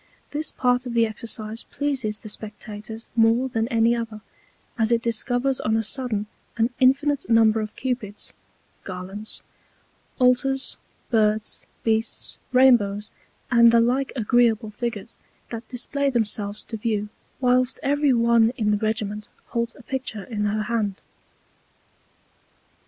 This part of the Exercise pleases the Spectators more than any other, as it discovers on a sudden an infinite Number of Cupids, [Garlands,] Altars, Birds, Beasts, Rainbows, and the like agreeable Figures, that display themselves to View, whilst every one in the Regiment holds a Picture in her Hand.